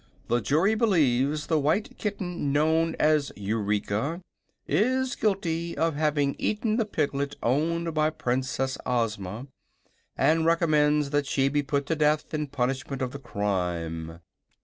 The jury believes the white kitten known as Eureka is guilty of having eaten the piglet owned by Princess Ozma, and recommends that she be put to death in punishment of the crime."